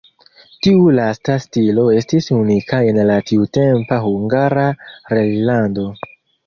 Tiu lasta stilo estis unika en la tiutempa Hungara reĝlando.